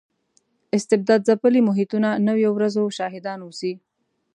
استبداد ځپلي محیطونه نویو ورځو شاهدان اوسي.